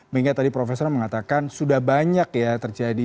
mengingat tadi profesor mengatakan sudah banyak ya terjadi